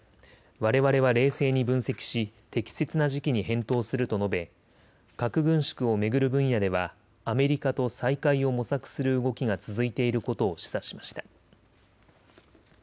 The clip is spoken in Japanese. われわれは冷静に分析し適切な時期に返答すると述べ核軍縮を巡る分野ではアメリカと再開を模索する動きが続いていることを示唆しました。